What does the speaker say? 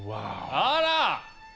あら！